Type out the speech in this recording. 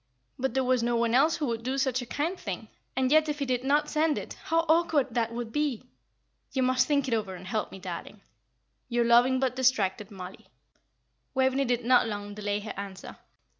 But there is no one else who would do such a kind thing; and yet if he did not send it, how awkward that would be! You must think over it and help me, darling. "Your loving but distracted "MOLLIE." Waveney did not long delay her answer.